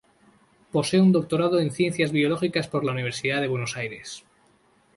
Posee un doctorado en Ciencias Biológicas por la Universidad de Buenos Aires.